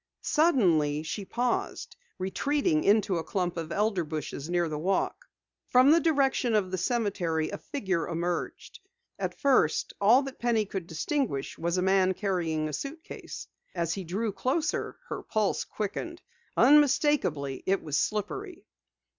Suddenly she paused, retreating into a clump of elder bushes near the walk. From the direction of the cemetery a figure emerged. At first, all that Penny could distinguish was a man carrying a suitcase. As he drew closer, her pulse quickened. Unmistakably, it was Slippery.